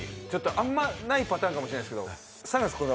あんまりないパターンかもしれないですけど、「３月９日」